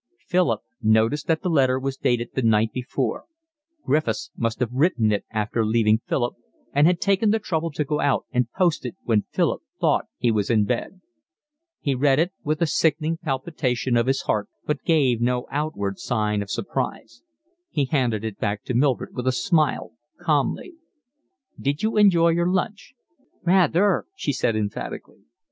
Philip noticed that the letter was dated the night before; Griffiths must have written it after leaving Philip, and had taken the trouble to go out and post it when Philip thought he was in bed. He read it with a sickening palpitation of his heart, but gave no outward sign of surprise. He handed it back to Mildred with a smile, calmly. "Did you enjoy your lunch?" "Rather," she said emphatically.